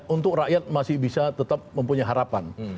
untuk rakyat masih bisa tetap mempunyai harapan